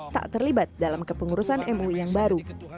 tak terlibat dalam kepengurusan mui yang baru